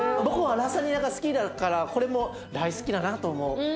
僕はラザニアが好きだからこれも大好きだなと思う。